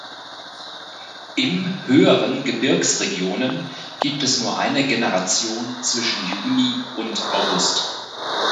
Im höheren Gebirgsregionen gibt es nur eine Generation zwischen Juni und August.